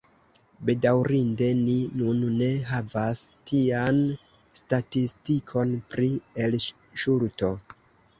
Bedaŭrinde ni nun ne havas tian statistikon pri elŝuto.